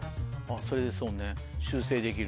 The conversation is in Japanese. それでそうね修正できる。